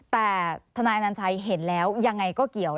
แต่ทนายอนัญชัยเห็นแล้วยังไงก็เกี่ยว